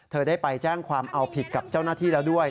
เธอได้ไปแจ้งความเอาผิดกับเจ้าหน้าที่แล้วด้วย